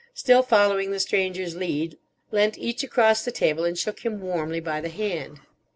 Still following the Stranger's lead, leant each across the table and shook him warmly by the hand.